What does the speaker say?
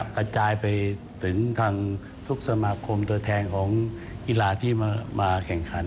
กระจายไปถึงทางทุกสมาคมตัวแทนของกีฬาที่มาแข่งขัน